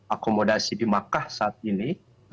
akomodasi di makkah saat ini